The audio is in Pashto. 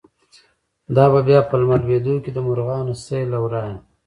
“دا به بیا په لمر لویدو کی، د مرغانو سیل له ورایه